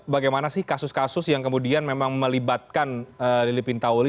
bagaimana sih kasus kasus yang kemudian memang melibatkan lili pintauli